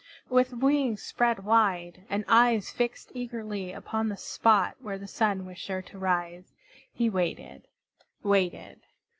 With wings spread wide, and eyes fixed eagerly upon the spot where the Sun was sure to rise, he waited, waited.